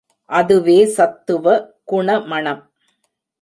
அதுவே சத்துவ குணமணம்.